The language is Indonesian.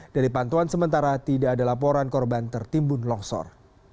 dari pantauan sementara tidak ada laporan korban tertimbun longsor